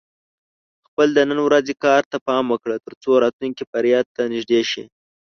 خپل د نن ورځې کار ته پام وکړه، ترڅو راتلونکې بریا ته نږدې شې.